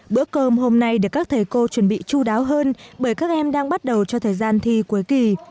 bữa cơm hôm nay được các thầy cô chuẩn bị chú đáo hơn bởi các em đang bắt đầu cho thời gian thi cuối kỳ